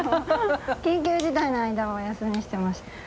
緊急事態の間はお休みしてました。